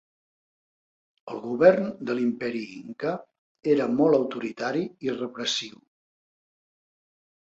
El govern de l'Imperi inca era molt autoritari i repressiu.